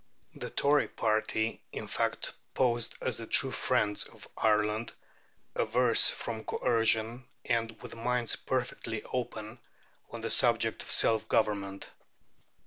The Tory party in fact posed as the true friends of Ireland, averse from coercion, and with minds perfectly open on the subject of self government.